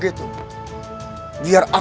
kau akan menang